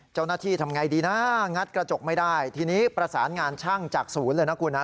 ทำไงดีนะงัดกระจกไม่ได้ทีนี้ประสานงานช่างจากศูนย์เลยนะคุณฮะ